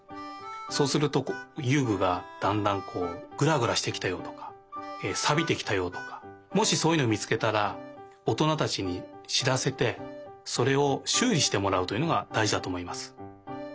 そうすると遊具がだんだんグラグラしてきたよとかさびてきたよとかもしそういうのを見つけたらおとなたちにしらせてそれをしゅうりしてもらうというのがだいじだとおもいます。